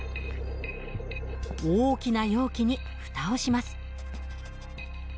大きな容器にふたをします。